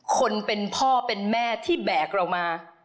คนเป็นพ่อเป็นแม่ที่แบกเรามา